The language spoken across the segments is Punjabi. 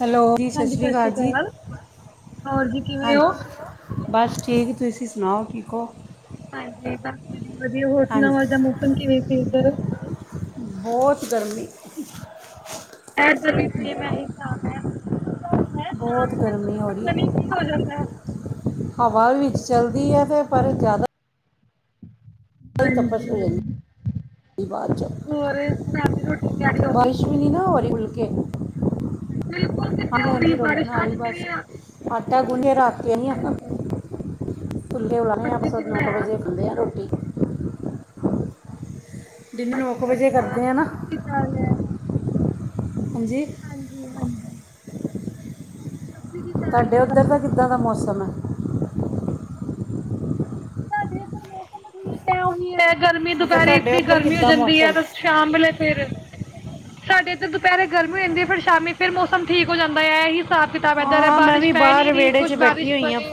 ਹੈਲੋ ਦੀ ਜੀ ਸਤਿ ਸ੍ਰੀ ਅਕਾਲ ਜੀ ਹੋਰ ਜੀ ਕਿਵੇਂ ਹੋ? ਹਾਂਜੀ। ਬਸ ਠੀਕ ਤੁਸੀਂ ਸੁਣਾਓ ਠੀਕ ਹੋ। ਹਾਂਜੀ ਬਸ ਵਧੀਆ ਹੋਰ ਹਾਂਜੀ ਸੁਣਾਉ ਅਜ ਦਾ ਮੂ ਤਨ ਕਿਵੇ ਸੀ ਉਧਰ ਬੋਤ ਗਰਮੀ [inaudible] ਐ ਤੇ ਨਈ ਸੀ ਮੈਂ ਹਿਸਾਬ ਹੈ। ਹੁੰਦਾ ਹੈ ਬੋਤ ਸ਼ਾਮ ਨੂੰ ਗਰਮੀ ਹੋ ਦੁਪਹਿਰ ਰਈ ਪਤਾ ਨੀ ਐ। ਕੀ ਹੋ ਜਾਂਦਾ ਹੈ। ਹਵਾ ਵਿੱਚ ਚੱਲਦੀ ਏ ਵੇ ਪਰ ਜ਼ਿਆਦਾ ਹੀ ਤਪਸ਼ ਹਾਂਜੀ ਹੋ ਜਾਂਦੀ ਹੈ ਬਾਅਦ ਚ ਹੋਰ ਰਾਤ ਦੀ ਰੋਟੀ ਦੀ ਤਿਆਰੀ ਹੋ ਗੀ। ਮੀਂ ਨਾ ਹੋਰੀ ਉਲ ਕੇ ਬਿਲਕੁਲ ਕਿੱਦੇ ਹੋ ਰੀ ਬਾਰਿਸ਼ ਅੱਜ ਬਸ ਮਿਲੇ ਆ ਆਟਾ ਗੁੰਨ ਕੇ ਰੱਖ‌ ਕੇ ਆਈ ਆ ਫੂਨਦੇ ਲਾਣੇ ਆ ਅੱਠ- ਸਬਜ਼ੀ ਕੀ ਸੱਤ ਨੌਂ ਕ ਬਣਾਇਆ? ਵਜੇ ਖਾਂਦੇ ਆ ਰੋਟੀ ਦਿਨ ਨੌ ਕੁ ਵਜੇ ਕਰਦੇ ਆ ਨਾ ਈ ਥਾ ਲੇ ਹਾਂਜੀ ਹਾਂਜੀ ਹਾਂਜੀ ਸਬਜੀ ਵਿ ਤੁਹਾਡੇ ਉੱਧਰ ਦਾ ਕਿੱਦਾਂ ਦਾ ਮੌਸਮ ਐ ਸਾਡੇ ਇੱਧਰ ਮੌਸਮ ਤਾਂ ਠੀਕ ਐ ਉਹੀ ਐ ਗਰਮੀ ਮੈਂ ਕਿਹਾ ਦੁਪਹਿਰੇ ਤੁਹਾਡੇ ਇਤਨੀ ਉੱਧਰ ਗਰਮੀ ਹੋ ਕਿੱਦਾਂ ਜਾਂਦੀ ਮੌਸਮ ਹੈਦ ਵ ਚ ਤਾਬਲੇ ਫੇਰ। ਸਾਡੇ ਇੱਧਰ ਦੁਪਹਿਰੇ ਗਰਮੀ ਹੁੰਦੀ ਹੈ ਪਰ ਸ਼ਾਮੀ ਫਿਰ ਮੌਸਮ ਠੀਕ ਹੋ ਜਾਂਦਾ ਹੈ ਇਹੀ ਸਾ ਕਿਤਾਬ ਏਦਾ ਦਾ ਹਾਂ ਮੈਂ ਬਾਰਿਸ਼ ਵੀ ਪੈ ਨੀਂ ਬਾਹਰ ਰਹੀ ਵਿਹੜੇ 'ਚ ਕੁੱਛ ਬੈਠੀ ਬਾਰਿਸ਼ ਹੋਈ ਹਾਂ ਪਵੇ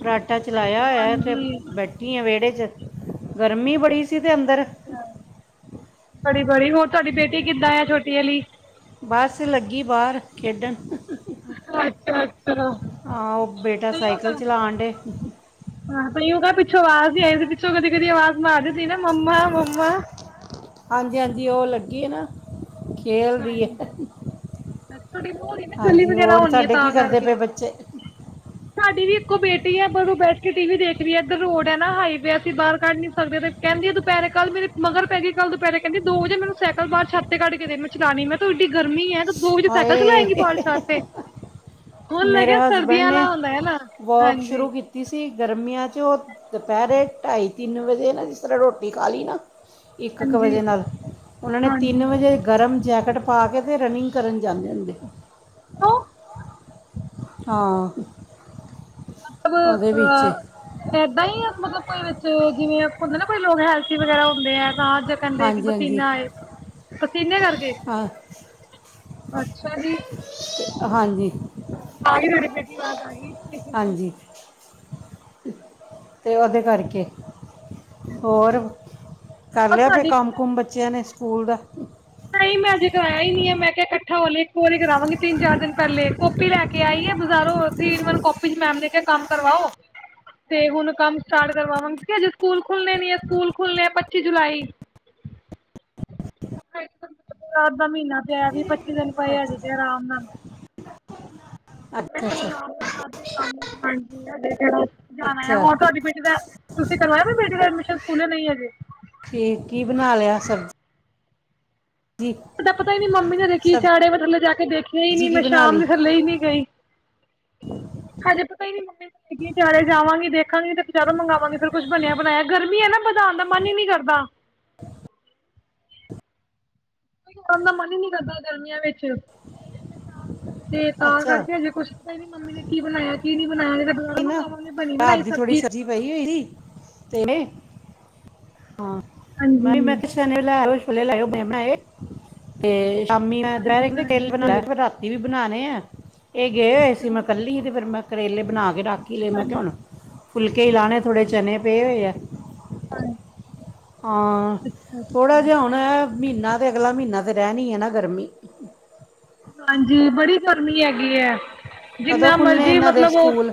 ਫਰਾਟਾ ਚਲਾਇਆ ਹੋਇਆ ਤੇ ਹਾਂਜੀ ਬੈਠੀ ਆ ਵਿਹੜੇ ਚ ਗਰਮੀ ਬੜੀ ਸ ਇਦੇ ਅੰਦਰ ਅ ਹਅ ਬੜੀ ਬੜੀ ਹੋਰ ਤੁਹਾਡੀ ਬੇਟੀ ਕਿੱਦਾਂ ਆ ਛੋਟੀ ਆਲੀ? ਬਸ ਲੱਗੀ ਬਾਹਰ ਖੇਡਣ। ਅੱਛਾ ਅੱਛਾ ਹਾਂ ਉਹ ਬੇਟਾ ਸਾਈਕਲ ਚਲਾਣ ਡੇ ਆਪਣੀ ਯੋਗਾ ਪਿੱਛੋਂ ਆਵਾਜ਼ ਹੀ ਆਈ ਸੀ ਪਿੱਛੋਂ ਕਦੀ ਕਦੀ ਆਵਾਜ਼ ਮਾਰਦੀ ਸੀ ਨਾ ਮੰਮਾ ਮੰਮਾ। ਹਾਂਜੀ ਹਾਂਜੀ ਉਹ ਲੱਗੀ ਏ ਨਾ ਖੇਲ ਰੀ ਏ ਹਾਂਜੀ ਤੁਹਾਡੀ ਉਹ ਹੋਣੀ ਨਾ ਗਲੀ ਹਾਂਜੀ ਵਗੈਰਾ ਹੋਰ ਹੋਣੀ ਹੈ ਤਾਂਡੇ ਕੀ ਤਾਂ ਕਰਦੇ ਕਰਕੇ ਪਏ ਬੱਚੇ? ਸਾਡੀ ਵੀ ਇੱਕੋ ਬੇਟੀ ਹੈ ਪਰ ਉਹ ਬੈਠ ਕੇ ਟੀਵੀ ਦੇਖ ਰਹੀ ਏ ਇੱਧਰ ਰੋਡ ਹੈ ਨਾ ਹਾਈਵੇ ਅਸੀਂ ਬਾਹਰ ਕੱਢ ਨੀ ਸਕਦੇ ਤੇ। ਕਹਿੰਦੀ ਆ ਦੁਪਹਿਰੇ ਕੱਲ੍ਹ ਮੇਰੇ ਮਗਰ ਪੈ ਗੀ ਕੱਲ ਦੁਪਹਿਰੇ ਕਹਿੰਦੀ ਦੋ ਵੱਜੇ ਮੈਨੂੰ ਸਾਈਕਲ ਬਾਹਰ ਛੱਤ ਤੇ ਕੱਢਕੇ ਦੇ ਮੈ ਕ। ਚਲਾਣੀ ਮੈਂ ਤੂੰ ਇਡੀ ਗਰਮੀ ਹੈ ਤੂੰ ਦੋ ਵਜੇ ਸਾਈਕਲ ਹਾਏ ਚਲਾਏਗੀ ਬਾਹਰ ਛੱਤ ਤੇ। ਹੁਣ ਮੇਰੇ ਲੱਗਿਆ ਸਰਦੀਆਂ ਹਸਬੰਡ ਆਲਾ ਹੁੰਦਾ ਹੈ ਨਾ ਹਾਂਜੀ। ਤੀਸੀਂ ਗਰਮੀਆਂ 'ਚ ਉਹ ਦੁਪਹਿਰੇ ਢਾਈ ਤਿੰਨ ਵਜੇ ਨਾ ਜਿਸ ਤਰ੍ਹਾਂ ਰੋਟੀ ਖਾ ਲੀਂ ਨਾ ਇੱਕ ਕ ਹਾਂਜੀ ਵਜੇ ਨਾਲ ਉਨ੍ਹਾ ਨੇ ਤਿੰਨ ਹਾਂਜੀ ਵਜੇ ਗਰਮ ਜੈਕਟ ਪਾ ਕੇ ਤੇ ਰਨਿੰਗ ਕਰਨ ਜਾਂਦੇ ਹੁੰਦੇ ਹੀ ਤੂੰ ਅ ਹਾਂ। ਮਤਬ ਉਹਦੇ ਵਿੱਚ ਅ ਏਦਾਂ ਈ ਆ ਮਤਲਬ ਕੋਈ ਵਿੱਚ ਜਿਵੇਂ ਆਪਾ ਹੁੰਦੇ ਆ ਨਾ ਕੋਈ ਲੋਕ ਹੈਲਥੀ ਵਗੈਰਾ ਹੁੰਦੇ ਆ ਲਾਜ- ੱਧੇ ਕਹਿੰਦੇ ਆ ਕਿ ਹਾਂਜੀ ਹਾਂਜੀ ਬਤੀਨਾ ਆ ਏ ਪਸੀਨੇ ਕਰਕੇ ਹਾਂ ਅੱਛਾ ਜੀ। ਕੀ ਅਹਾਂਜੀ। ਆ ਗੀ ਤੁਹਾਡੀ ਬੇਟੀ ਅਵਾਜ ਆ ਗੀ। ਹਾਂਜੀ। ਤੇ ਉਹਦੇ ਕਰਕੇ ਹੋਰ ਕਰ ਲਿਆ ਕੋਈ ਸਾਡੀ ਕੰਮ- ਕੁਮ ਬੱਚਿਆਂ ਨੇ ਸਕੂਲ ਦਾ? ਨਈ ਮੈਂ ਅਜੇ ਕਰਾਇਆ ਹੀ ਨੀ ਹੈ ਮੈਂ ਕਿਹਾ ਕੱਠਾ ਹੋਲੇ ਇੱਕੋ ਵਾਰੀ ਕਰਾਵਾਂਗੀ ਤਿੰਨ ਚਾਰ ਦਿਨ ਪਹਿਲੇ ਆਪੀ ਲੈ ਕੇ ਆਈਏ ਬਜ਼ਾਰੋ ਅ ਥ੍ਰੀ -ਇਨ -ਵਨ ਕਾਪੀ ਚ ਮੈਮ ਨੇ ਕਿਹਾ ਕੰਮ ਕਰਵਾਓ। ਤੇ ਹੁਣ ਕੰਮ ਸਟਾਰਟ ਕਰਵਾਵਾਂ ਕਿ ਅਜੇ ਸਕੂਲ ਖੁੱਲਣੇ ਨੀ ਏ ਸਕੂਲ ਖੁੱਲ੍ਹਣੇ ਆ ਪੱਚੀ ਜੁਲਾਈ। ਰਾਤ ਦਾ ਮਹੀਨਾ ਪਿਆ ਵੀਹ ਪੱਚੀ ਦਿਨ ਪਏ ਅੱਛਾ ਹਜੇ ਤੇ ਆਰਾਮ ਨਾਲ। ਮੈਂ ਅੱਛਾ, ਅੱਛਾ। [unintelligible] ਜਾਣਾ ਆ, ਅੱਛਾ ਹੋਰ ਤੁਹਾਡੀ ਬੇਟੀ ਦਾ ਤੁਸੀਂ ਕਰਵਾ ਬੇਟੀ ਐਡਮਿਸ਼ਨ ਸਕੂਲੇ ਨਹੀਂ ਹਜੇ? ਠੀਕ, ਕੀ ਬਣਾ ਲਿਆ ਸਬਜ਼ੀ? ਪਤਾ, ਪਤਾ ਹੀ ਨੀ ਮੰਮੀ ਨੇ ਦੇਖੀ ਸਬਜ਼ੀ ਚਾੜੇ ਮੈਂ ਥੱਲੇ ਜਾ ਕੇ ਦੇਖੀਆਂ ਹੀ ਨੀ, ਕੀ ਮੈਂ ਬਣਾ ਸ਼ਾਮ ਲਈ ਨੂੰ ਥੱਲੇ ਹੀ ਨੀ ਗਈ। ਹਜੇ ਪਤਾ ਹੀ ਨਹੀਂ ਮੰਮੀ ਤੇ ਕੀ ਚਾੜਿਆ ਜਾਵਾਂਗੀ ਦੇਖਾਂਗੀ ਤੇ, ਬਾਜ਼ਾਰੋਂ ਮੰਗਵਾਵਾਂਗੇ ਫੇਰ ਕੁਛ ਬਣਿਆ ਬਣਾਇਆ ਗਰਮੀ ਹੈ ਨਾ ਬਨਾਉਣ ਦਾ ਮਨ ਹੀ ਨੀ ਕਰਦਾ। [unintelligible] ਖਾਣ ਦਾ ਮਨ ਹੀ ਨੀ ਕਰਦਾ ਗਰਮੀਆਂ ਵਿੱਚ, ਤੇ ਤਾਂ ਅੱਛਾ ਕਰਕੇ ਜੇ ਕੁੱਛ ਪਤਾ ਹੀ ਨੀ ਮੰਮੀ ਨੇ ਕੀ ਬਣਾਇਆ ਕੀ ਨਹੀਂ ਬਣਾਇਆ, ਤੇ ਨਹੀਂ ਤਾ ਸੀ ਬਜਾਰੋ ਨਾ ਮੰਗਵਾਵਾਂਗੀ ਬਣੀ ਰਾਤ ਬਣਾਈ ਦੀ ਥੋੜੀ ਸਬਜ਼ੀ ਪਈ ਹੋਈ ਦੀ ਤੇਰੇ ਹਾਂ ਹਾਂਜੀ ਮੈਂ, ਮੈਂ ਕਿਹਾ ਚਣੇ ਲੈਓ ਛੋਲੇ ਲੈਓ ਬਣੇ ਬਣਾਏ ਤੇ ਹਾਂਜੀ ਹਾਂਜੀ ਤੇ [unintelligible] ਇਹ ਵੀ ਬਣਾਣੇ ਆ, ਇਹ ਗਏ ਹੋਏ ਸੀ ਮੈਂ ਕੱਲੀ ਤੇ ਫੇਰ ਮੈਂ ਕਰੇਲੇ ਬਣਾ ਕੇ ਰੱਖ ਹੀ ਲਏ ਮੈਂ ਕਿਹਾ ਹੁਣ ਫੁਲਕੇ ਲਾਣੇ ਥੋੜੇ ਚਣੇ ਪਏ ਹੋਏ ਆ। ਹਾਂਜੀ। ਹਾਂ ਥੋੜ੍ਹਾ ਅੱਛਾ ਜਿਹਾ ਹੋਣਾ, ਮਹੀਨਾ ਤੇ ਅਗਲਾ ਮਹੀਨਾ ਤਾਂ ਰਹਿਣ ਹੀ ਹੈ ਨਾ ਗਰਮੀ। ਹਾਂਜੀ ਬੜੀ ਗਰਮੀ ਹੈਗੀ ਹੈ। ਕਦੋਂ ਜਿੰਨਾ ਖੁੱਲਨੇ ਮਰਜ਼ੀ ਇਹਨਾਂ ਦੇ ਮਤਲਬ ਔਹ ਸਕੂਲ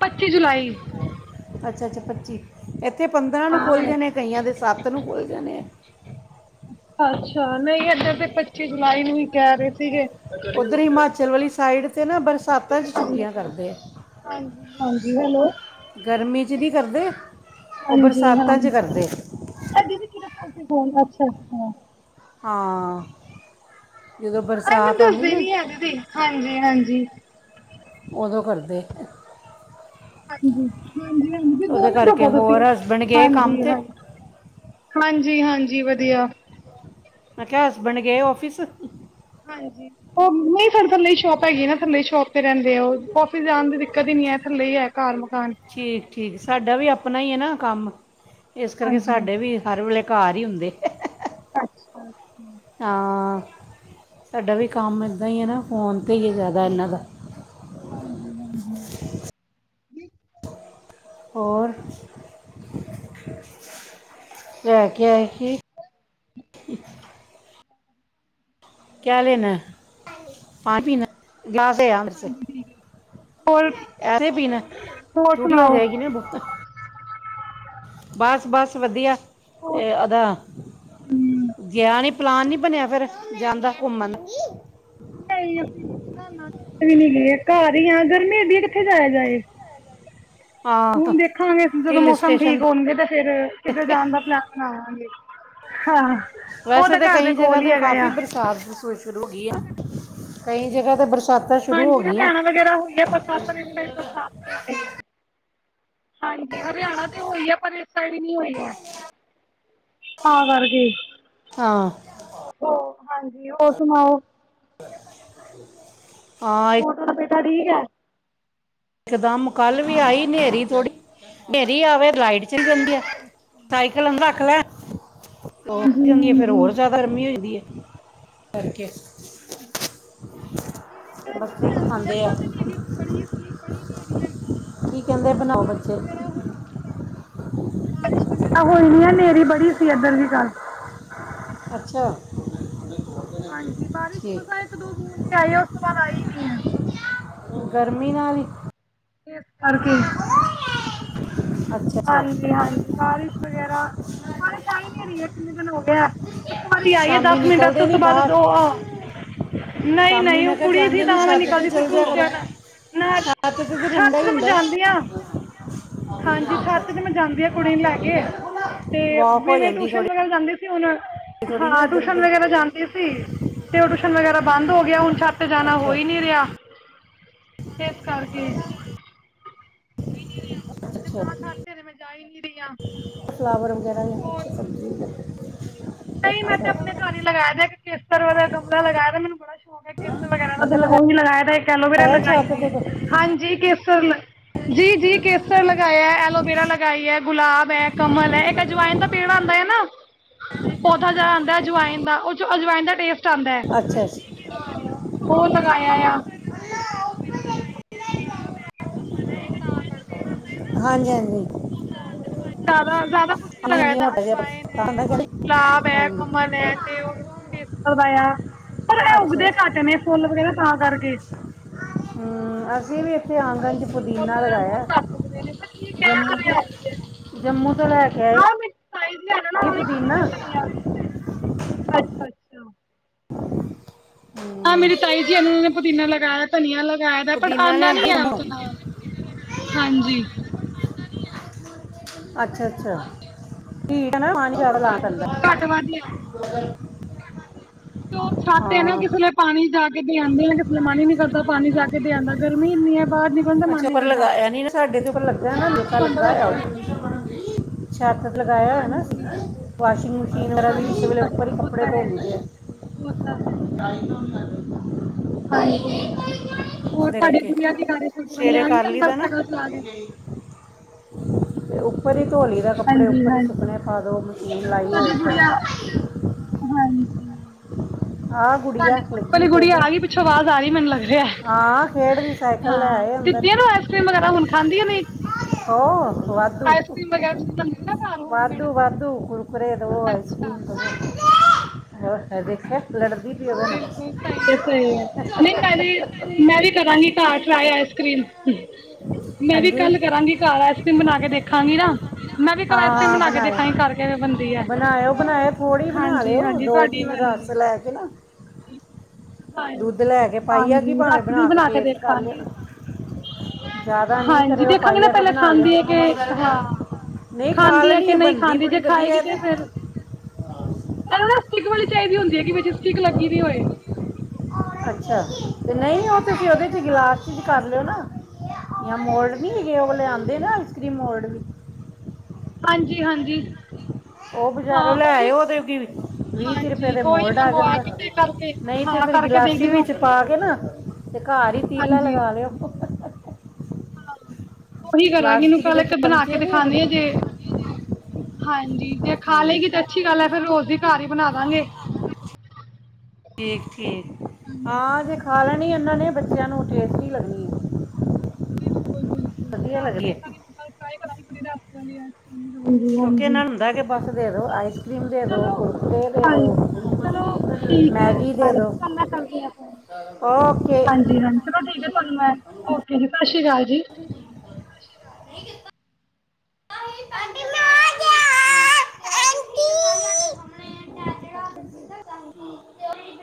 ਪੱਚੀ ਜੁਲਾਈ ਅੱਛਾ, ਅੱਛਾ ਪੱਚੀ, ਇੱਥੇ ਪੰਦਰਾਂ ਨੂੰ ਖੁੱਲ ਹਾਂ ਜਾਣੇ ਆ ਕਈਆਂ ਦੇ ਸੱਤ ਨੂੰ ਖੁੱਲ੍ਹ ਜਾਣੇ ਹੈ। ਅੱ ਅੱਛਾ ਨਹੀਂ ਇੱਦਾਂ ਤੇ ਪੱਚੀ ਜੁਲਾਈ ਨੂੰ ਹੀ ਕਹਿ ਰਹੇ। ਸੀਗੇ ਉੱਧਰ ਹਿਮਾਚਲ ਵਾਲੀ ਸਾਈਡ ਤੇ ਨਾ ਬਰਸਾਤਾਂ ਚ ਛੁੱਟੀਆਂ ਕਰਦੇ ਆ। ਹਾਂਜੀ, ਹਾਂਜੀ ਹੈਲੋ। ਗਰਮੀ ਚ ਨਹੀਂ ਕਰਦੇ ਉਹ ਬਰਸਾਤਾਂ ਚ ਕਰਦੇ। ਏ ਦੀਦੀ ਕਿਦੇ ਫੋਨ ਤੇ ਫੋਨ ਅੱਛਾ, ਅੱਛਾ। ਹਾਂ, ਜਦੋਂ ਹਾਏ ਮੈਨੂੰ ਬਰਸਾਤ ਆਉਂਦੀ ਦੱਸਦੇ ਨਾ ਨੀ ਹੈ ਦੀਦੀ ਹਾਂਜੀ, ਹਾਂਜੀ। ਉਦੋਂ ਕਰਦੇ। ਹਾਂਜੀ, ਹਾਂਜੀ, ਹਾਂਜੀ ਸਿਰਫ ਦੋ ਉਹਦੇ ਮਿੰਟ ਕਰਕੇ ਰੁਕੋ ਤੁਸੀਂ ਹੋਰ ਹਸਬੰਡ ਗਏ ਕੰਮ ਹਾਂਜੀ ਤੇ ਹਾਂ। ਹਾਂਜੀ, ਹਾਂਜੀ ਵਧੀਆ। ਮੈ ਕਿਹਾ ਹਸਬੈਂਡ ਗਏ ਔਫਿਸ? ਹਾਂਜੀ, ਔਹ ਨਹੀਂ ਫੇਰ ਥੱਲੇ ਸ਼ੋਪ ਹੈਗੀ ਨਾ ਫੇਰ ਮੇਰੀ ਸ਼ੋਪ ਤੇ ਰਹਿੰਦੇ ਆ ਔਹ ਕਿਤੇ ਜਾਣ ਦੀ ਦਿੱਕਤ ਹੀ ਨਹੀਂ ਹੈ, ਥੱਲੇ ਹੀ ਹੈ ਘਰ ਮਕਾਨ। ਠੀਕ ਠੀਕ, ਸਾਡਾ ਵੀ ਆਪਣਾ ਹੀ ਹੈ ਨਾ ਕੰਮ, ਇਸ ਕਰਕੇ ਹਾਂਜੀ ਸਾਡੇ ਵੀ ਹਰ ਵੇਲੇ ਘਰ ਹੀ ਹੁੰਦੇ। ਅੱਛਾ। ਹਾਂ, ਸਾਡਾ ਵੀ ਕੰਮ ਇੱਦਾਂ ਹੀ ਹੈ ਨਾ ਫੋਨ ਤੇ ਹੀ ਹੈ ਜ਼ਿਆਦਾ ਇਹਨਾਂ ਦਾ। ਹਾਂਜੀ, ਹਾਂਜੀ। ਹੋਰ, ਲੈ ਕੇ ਆਏ ਕਿ? ਕਿਆ ਲੈਣਾ ਹੈ ਪਾਣੀ ਪੀਨਾ ਹੈ, ਗਿਲਾਸ ਲੇ ਆ ਫੇਰ। ਹੋਰ ਐਸੇ ਪੀ ਨਾ ਹੈ, ਹੋਰ ਜੂਠੀ ਹੋ ਸੁਣਾਓ ਜਾਏਗੀ ਨਾ ਬੋਤਲ ਬਸ, ਬਸ ਵਧੀਆ। ਤੇ ਹੋਰ ਇਹਦਾ, ਗਿਆ ਨੀ ਪਲਾਨ ਨੀ ਬਣਿਆ ਫੇਰ। ਜਾਂਦਾ ਘੁੰਮਣ। ਨਹੀਂ ਅਸੀਂ [unintelligible] ਘਰ ਹੀ ਆ ਗਰਮੀ ਹੁੰਦੀ ਹੈ ਕਿੱਥੇ ਜਾਇਆ ਜਾਏ। ਹਾਂ ਹੁਣ ਦੇਖਾਂਗੇ, ਜਦੋਂ ਹਿੱਲ ਮੌਸਮ ਸਟੇਸ਼ਨ ਠੀਕ ਹੋਣਗੇ ਤੇ ਫੇਰ ਕਿੱਧਰ ਜਾਣ ਦਾ ਪਲੇਨ ਬਣਾਵਾਂਗੇ। ਹਾਂ ਉਹ ਵੈਸੇ ਤਾਂ ਘਰ ਦੇ ਕਈ ਜਗ੍ਹਾ ਕੋਲ ਹੀ ਤੇ ਹੈਗਾ ਕਾਫ਼ੀ ਆ। ਬਰਸਾਤ ਸ ਸ਼ੁਰੂ ਕਈ ਜਗ੍ਹਾ ਤੇ ਬਰ ਹਾਂਜੀ ਹਰਿਆਣਾ ਵਗੈਰਾ ਹੋਈ ਆ ਬਰਸਾਤ, ਪਰ ਇਸ ਟਾਈਮ ਬਰਸਾਤ ਨੀ ਹੋ ਰਹੀ ਹਾਂਜੀ ਹਰਿਆਣਾ ਹੋਈ ਆ ਪਰ ਇਸ ਸਾਇਡ ਨੀ ਹੋਈ ਆ ਤਾਂ ਕਰਕੇ ਹਾਂ ਹਾਂਜੀ ਹੋਰ ਸੁਣਾਓ ਹਾਂ ਹੁਨ ਥੋਡਾ ਬੇਟਾ ਠੀਕ ਏ। ਇਕਦਮ ਕੱਲ ਵੀ ਆਈ ਨੇਰੀ ਥੋੜੀ, ਨੇਰੀ ਆਵੇ ਲਾਈਟ ਚਲੀ ਜਾਂਦੀ ਆ, ਸਾਈਕਲ ਅੰਦਰ ਰੱਖ ਲੈ, ਉਹ ਜਾਂਦੀ ਆ ਫੇਰ ਹੋਰ ਜੀਆਦਾ ਗਰਮੀ ਹੋ ਜਾਦੀ ਏ ਤਾਂ ਕਰਕੇ ਬੱਚੇ ਵੀ ਖਾਂਦੇ ਆ [unintelligible] ਬੜੀ ਨੇਰੀ ਆਈ ਕੀ ਕਹਿੰਦੇ ਪਰ ਬਣਾਓ ਬਾਰਿਸ਼ ਬੱਚੇ ਵਗੈਰਾ ਹੋਈ ਨੀ ਏ ਬਾਰਿਸ਼ ਵਗੈਰਾ ਹੋਈ ਨੀ ਆ ਨੇਰੀ ਬੜੀ ਸੀ ਇੱਧਰ ਵੀ ਰਾਤ ਅੱਛਾ ਹਾਂਜੀ ਬਾਰਿਸ਼ ਠੀਕ ਮਸਾ ਇੱਕ ਦੋ ਬੂਦ ਜੇ ਆਏ ਆ ਉਸ ਤੋਂ ਬਾਅਦ ਆਈ ਨੀ ਏ ਗਰਮੀ ਨਾਲ ਈ ਇਸ ਕਰਕੇ ਈ ਅੱਛਾ ਅੱਛਾ ਹਾਂਜੀ-ਹਾਂਜੀ, ਬਾਰਿਸ਼ ਵਗੈਰਾ ਬਾਰਿਸ਼ ਆਈ ਨੀ ਰਹੀ ਏ ਕਿੰਨੇ ਦਿਨ ਹੋ ਗਏ ਆ ਇਕ ਵਾਰੀ ਆਈ ਆ ਸ਼ਾਮੀ ਦਸ ਮਿੰਟ ਬਸ ਨਿਕਲਦੇ ਉਸ ਨਹੀਂ ਤੋਂ ਬਾਦ ਦ ਬਾਹਰ ਆ ਸ਼ਾਮੀ ਨਹੀਂ-ਨਹੀਂ, ਮੈਂ ਉਹ ਕਿਹਾ ਕੁੜੀ ਸੀ ਜਾਂਦੇ ਨਹੀਂ ਤਾਂ ਮੈਂ ਛੱਤ ਤੇ ਨਿਕਲਦੀ ਸੀ ਚਲ ਜਿਆ ਕਰੋ ਟਿਊਸ਼ਨ ਨਾ ਛੱਤ ਤੇ ਤਾਂ ਠੰਡਾ ਛੱਤ ਹੀ ਤੇ ਮੈਂ ਹੁੰਦਾ ਜਾਨੀ ਆ ਹਾਂਜੀ [unintelligible] ਛੱਤ ਤੇ ਮੈਂ ਜਾਂਦੀ ਆ ਕੁੜੀ ਨੂੰ ਲੈ ਕੇ ਤੇ ਵਾਕ ਵੀ ਹੋ ਜਾਂਦੀ ਟਿਊਸ਼ਨ ਥੋੜੀ ਵਗੈਰਾ ਜਾਂਦੀ ਸੀ ਹੁਣ ਥੋੜੀ ਨਾ ਹਾਂ ਇੱਧਰ ਟਿਊਸ਼ਨ ਉੱਧਰ ਵਗੈਰਾ ਜਾਂਦੀ ਸੀ ਤੇ ਉਹ ਟਿਊਸ਼ਨ ਵਗੈਰਾ ਬੰਦ ਹੋ ਗਿਆ ਹੁਣ ਛੱਤ ਤੇ ਜਾਣਾ ਹੋ ਅੱਛਾ ਈ ਨੀ ਰਿਹਾ ਇਸ ਕਰਕੇ [unintelligible] ਤੇ ਤਾਂ ਛੱਤ ਤੇ ਮੈਂ ਜਾਈ ਨੀ ਰਹੀ ਆ ਫਲਾਵਰ ਵਗੈਰਾ ਜਾ ਕੁਛ ਨਹੀਂ ਮੈਂ ਤੇ ਅੱਛਾ ਆਪਣੇ ਘਰ ਹੀ ਲਗਾਇਆ ਵਾ ਇਕ ਕੇਸਰ ਵਾਲਾ ਗਮਲਾ ਲਗਾਇਆ ਵਾ ਮੈਨੂੰ ਬੜਾ ਸ਼ੌਕ ਤੇ ਕੇਸਰ ਵਗੈਰਾ ਮੈਂ ਕਿਹਾ ਉਹ ਲਗਾ ਉਹੀ ਲਗਾਇਆ ਤੇ ਇੱਕ ਐਲੋਵੇਰਾ ਆਇਆ ਲਗਾਈ ਛੱਤ ਹੋਈ ਤੇ ਏ ਕੋਈ ਹਾਂਜੀ ਕੇਸਰ ਜੀ ਜੀ ਕੇਸਰ ਲਗਆ ਐਲੋਵੇਰਾ ਲਗਾਈ ਏ ਗੁਲਾਬ ਕਮਲ ਏ ਇੱਕ ਅਜਵਾਇਨ ਦਾ ਪੇੜ ਆਂਦਾ ਐ ਨਾ ਹਾਂਜੀ ਜੀ ਪੌਦਾ ਜਾ ਆਂਦਾ ਅਜਵਾਇਨ ਦਾ ਉਹ ਚੋਂ ਅਜਵਾਇਨ ਦਾ ਟੇਸਟ ਆਂਦਾ ਅੱਛਾ ਅੱਛਾ ਉਹ ਲਗਾਇਆ ਆ ਤੇ ਤਾਂ ਕਰਕੇ ਹਾਂਜੀ ਹਾਂਜੀ ਜ਼ਿਆਦਾ ਜ਼ਿਆਦਾ ਕੁਛ ਨੀ ਹਾਂਜੀ ਹਾਂਜੀ ਲਗਾਇਦਾ ਮੋਟਾ ਜਿਹਾ ਅਜਵਾਇਨ ਏ, ਪੱਤਾ ਹੁੰਦਾ ਕਿ ਗੁਲਾਬ ਏ, ਹਾਂਜੀ ਕਮਲ ਏ ਤੇੇ ਉਹ ਕੇਸਰ ਦਾ ਆ ਪਰ ਇਹ ਅੱਛਾ ਉੱਗਦੇ ਅੱਛਾ ਘਟ ਨੇ ਫੁੱਲ ਵਗੈਰਾ ਤਾਂ ਕਰਕੇ ਹੂੰ ਅਸੀਂ ਵੀ ਇੱਥੇ ਆਂਗਣ 'ਚ ਹਾਂਜੀ, ਫੁੱਲ ਪੁਦੀਨਾ ਬਹੁਤ ਲਗਾਇਆ ਘੱਟ ਨੇ ਉਗਦੇ ਨੇ ਪਰ ਠੀਕ ਏ ਜੰਮੂ ਹਰਿਆਲੀ ਏ ਜੰਮੂ ਤੋਂ ਲੈ ਕੇ ਹੈ ਨਾ ਆਏ ਉਹਨਾਂ ਨੇ ਪੁਦੀਨਾ ਅੱਛਾ-ਅੱਛਾ [inaudible] ਮੇਰੀ ਤਾਈ ਜੀ ਏਨਾ ਨੇ ਉਨਾਂ ਨੇ ਪੁਦੀਨਾ ਲਗਾਇਆ ਧਨੀਆ ਲਗਾਇਆ ਦਾ ਪਟ ਪੁਦੀਨਾ ਆਂਦਾ ਨੀ ਲਿਆਂਦਾ ਐ ਜੰਮੂ ਉਸ ਨਾਲ। ਹਾਂਜੀ। ਅੱਛਾ-ਅੱਛਾ ਕੀ [inaudible] [inaudible] ਹਾਂਜੀ ਘੱਟ ਵੱਧ ਹੀ ਆਂਦਾ ਤੇ ਓ ਛਾਤੇ ਨਾ ਕਿਸੇ ਲੇ ਪਾਣੀ ਜਾ ਕੇ ਦੇ ਆਂਦੇ ਆ ਕਿਸੇ ਦਾ ਮਨ ਈ ਨੀ ਕਰਦਾ ਪਾਣੀ ਜਾ ਕੇ ਦੇ ਆਂਦਾ ਗਰਮੀ ਇੰਨੀ ਐ ਬਾਰ ਨੀ ਅੱਛਾ ਉਪਰ ਕਰਦਾ ਲਗਾਇਆ ਨੀ ਨਾ ਸਾਡੇ ਤੇ ਉਪਰ ਲੱਗਾ ਨਾ ਜੇਖਾ ਲੱਗਾ ਬੜਾ ਆ। ਅੱਛਾ ਛੱਤ ਲਗਾਇਆ ਐ ਨਾ ਹਾਂਜੀ ਵਾਸ਼ਿੰਗ ਮਸ਼ੀਨ ਵਗੈਰਾ ਵੀ ਇਸ ਹਾਂਜੀ ਵੇਲੇ ਉੱਪਰ ਹਾਂਜੀ ਈ ਉਹ ਕੱਪੜੇ ਤਾਂ ਧੋ ਹੈ ਹੀ ਲਈਦੇ ਉਹ ਤਾਂ ਹੈ ਹੀ। ਐ। [inaudible] ਹਾਂਜੀ ਹੋਰ ਤੁਹਾਡੇ ਕਰਕੇ ਗੁੜੀਆ ਕੀ ਕਰ ਛੋਟੀ ਵਾਲੀ ਸਵੇਰੇ ਆ ਗਈ ਕਰ ਲਈ ਅੰਦਰ ਦਾ ਨਾ। ਸਾਈਕਲ ਚਲਾ ਕੇ? ਉਪਰ ਈ ਧੋਲੀ ਦਾ ਕੱਪੜੇ ਹਾਂਜੀ ਉਪਰ ਈ ਹਾਂਜੀ। ਸੁੱਕਣੇ ਪਾ ਦਿਓ ਮਸ਼ੀਨ ਲਾਈ ਏ ਓੱਪਰ। ਹਾਂਜੀ। ਆਹ ਗੁੜੀਆ ਤੁਹਾਡੀ ਸੂਟ ਵਾਲੀ ਲੱਗੀ ਗੁੜੀਆ ਖੇਡ ਗਈ ਪਿੱਛੋਂ ਆਵਾਜ਼ ਆਰੀ ਮੈਨੂੰ ਲੱਗ ਰਿਐ। ਹਾਂ ਖੇਡ ਦੀ ਸਾਈਕਲ ਲੈ ਹਾਂ ਆਏ ਅੰਦਰ ਦਿੱਤੀਆਂ ਨਾ ਆਈਸ ਕ੍ਰੀਮ ਵਗੈਰਾ ਹੁਣ ਖਾਂਦੀਆ ਨੇ। ਹੋ [unintelligible] [unintelligible] ਵਗੈਰਾ ਤੁਸੀਂ ਬਣਾਉਂਦੇ ਨਾ ਘਰ ਹੋਮਮੇਡ ਵਾਧੂ-ਵਾਧੂ ਕੁੁਰਕੁਰੇ ਦਵੋ ਅੱਛਾ ਆਈਸਕ੍ਰੀਮ ਦਵੋ। [inaudible] ਬਿਲਕੁੱਲ ਸਈ ਐ ਸਈ ਐ ਨਈ ਮੈਂ ਵੀ ਮੈਂ ਵੀ ਕਰਾਂਗੀ ਘਰ ਟਰਾਈ ਆਈਸ ਕਰ੍ਰੀਮ ਮੈਂ ਵੀ ਹਾਂਜੀ ਕੱਲ ਕਰਾਂਗੀ। ਘਰ ਆਈਸ ਕਰ੍ਰੀਮ ਬਣਾ ਕੇ ਦੇਖਾਂਗੀ ਨਾ ਮੈਂ ਵੀ ਘਰ ਹਾਂ ਆਈਸਕ੍ਰੀਮ ਹਾਂ ਬਣਾ ਕੇ ਬਣਾਏ ਦੇਖਾਂਗੀ ਕਰਕੇ ਬੰਦੀ ਐ। ਬਣਾਇਓ ਬਣਾਏ ਥੋੜੀ ਬਣਾ ਲਿਓ ਹਾਂਜੀ-ਹਾਂਜੀ ਦੋ ਤੁਹਾਡੀ ਤਿੰਨ ਵਾਲੀ ਰਸ ਲੈ ਕੇ ਨਾ [unintelligible] ਦੁੱਧ ਲੈ ਕੇ ਪਾਈਆ ਕੀ ਹਾਂਜੀ ਭਾਵੇਂ ਰਸ ਵੀ ਬਣਾ ਕੇ ਟੇਸਟ ਕਰ ਲਿਓ ਦੇਖਾਂਗੀ। ਨਾ ਜ਼ਿਆਦਾ ਨਹੀਂ ਹਾਂਜੀ ਕਰਿਓ ਦੇਖਾਂਗੇ ਨਾ ਪਾਈਆ ਕਾ ਪੈਲਾਂ ਬਣਾ ਖਾਂਦੀ ਆ ਕਿ ਹਾਂ। ਲਿਓ ਨਹੀਂ ਖਾ ਖਾਂਦੀ ਐ ਲੈਣੀ ਹੈ ਕ ਨਈ ਬੰਦੀ ਖਾਂਦੀ ਬੜੀ ਜੇ ਵਧੀਆ ਖਾਏਗੀ ਹੈ ਤੇ ਫਿਰ ਏਨੂੰ ਨੂੰ ਸਟਿਕ ਵਾਲੀ ਚਾਈਦੀ ਹੁੰਦੀ ਐ ਜਿਸ ਵਿੱਚ ਨ ਸਟਿੱਕ ਲੱਗੀ ਵੀ ਹੋਏ। ਅੱਛਾ ਤੇ ਨਈ ਓ ਤੇ ਤੁਸੀਂ ਓਦੇ ਚ ਹਾਂ ਗਿਲਾ ਤੁਸੀ ਕਰ ਲਿਓ ਨਾ ਜਾਂ ਮੋਰਡ ਨੇ ਹੈਗੇ ਓ ਵਾਲੇ ਆਂਦੇ ਨਾ ਕਰੀਮ ਮੋਰਡ ਹਾਂਜੀ-ਹਾਂਜੀ ਓ ਬਜ਼ਾਰੋਂ ਲੈ ਆਏ ਓ ਦੇ ਫਿਰ ਵੀਹ ਤੀਹ ਰੁਪਏ ਹਾਂਜੀ ਦੇ ਉਹੀ ਮੋਰਡ ਆ ਮੰਗਵਾ ਜਾਂਦਾ ਕੇ ਤੇ ਕਰਕੇ ਨਈ ਤੇ ਹਾਂ ਫੇਰ ਕਰਕੇ ਦੇਖਦੀ ਗਿਲਾਸੀ ਨੂੰ ਵਿੱਚ ਪਾ ਕੇ ਨਾ ਤੇ ਘਰ ਈ ਪੀਲਾ ਹਾਂਜੀ ਲਗਾ ਲਿਓ। ਓਹੀ ਕਰਾਂਗੀ ਇਨੂੰ ਪਲਾਸਟਿਕ ਕੱਲ ਦੇ ਇੱਕ ਬਣਾ ਕੇ ਚਮਚੇ ਨਹੀਂ ਹੈਗੇ ਦਿਖਾਣੀ ਆ ਜੇ ਹਾਂਜੀ ਜੇ ਖਾ ਹਾਂ ਲਗੀ ਤੇ ਅੱਛੀ ਗੱਲ ਐ ਫੇਰ ਰੋਜ਼ ਦੀ ਘਰ ਈ ਬਣਾ ਦਾਂਗੇ। ਠੀਕ-ਠੀਕ ਹਾਂ ਤੇੇ ਖਾ ਲੈਣੀ ਏਨਾਂ ਨੇ ਬੱਚਿਆਂ ਨੂੰ ਟੇਸਟੀ ਲੱਗਣੀ ਬਿਲਕੁੱਲ-ਬਿਲਕੁੱਲ ਵਧੀਆ ਬਣਾ ਕੇ ਲੱਗਦੀ ਹੈ ਦੇਖਾਂਗੀ ਮੈਂ ਕਲ ਟ੍ਰਾਈ ਕਰਾਂਗੀ [unintelligible] ਕਿਉਂਕਿ ਏਨਾਂ ਨੂੰ ਹੁੰਦਾ ਕੀ ਬੱਸ ਦੇ ਦੋ ਆਈਸ ਕਰ੍ਰੀਮ ਦੇ ਦੋ ਚਲੋ ਕੁਰਕਰੇ ਹਾਂਜੀ ਹ ਚਲੋ ਠੀਕ ਐ ਦੇ ਹਾਂਜੀ ਦਿਓ [unintelligible] ਕਰਦੀ ਆ ਫੋਨ। ਓਕੇ ਹਾਂਜੀ-ਹਾਂਜੀ ਚਲੋ ਠੀਕ ਐ ਤੁਹਾਨੂੰ ਮੈਂ ਓਕੇ ਜੀ ਸਸ ਸ਼੍ਰੀ ਕਾਲ ਜੀ। ਆਂਟੀ ਮੈਂ ਆ ਗਿਆ ਆਂਟੀ